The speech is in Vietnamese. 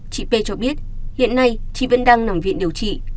chị p cho biết hiện nay chị vẫn đang nằm viện điều trị